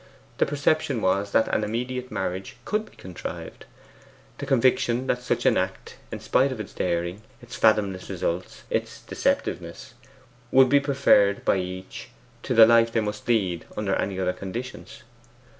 The perception was that an immediate marriage COULD be contrived; the conviction that such an act, in spite of its daring, its fathomless results, its deceptiveness, would be preferred by each to the life they must lead under any other conditions.